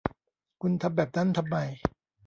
คุณทำแบบนั้นทำไม